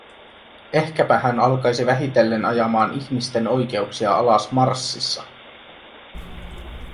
Ehkäpä hän alkaisi vähitellen ajamaan ihmisten oikeuksia alas Marssissa.